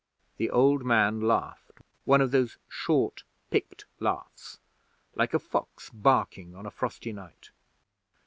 The old man laughed one of those short Pict laughs like a fox barking on a frosty night.